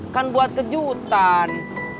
kan buat kejutan